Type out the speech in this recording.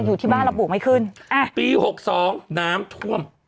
อยู่ที่บ้านเราปลูกไม่ขึ้นอ่าปีหกสองน้ำท่วม